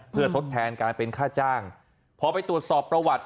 เพื่อทดแทนการเป็นค่าจ้างพอไปตรวจสอบประวัติ